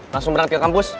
langsung berangkat ke kampus